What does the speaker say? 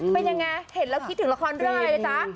เป็นยังไงเห็นแล้วคิดถึงละครเรื่องอะไรนะจ๊ะ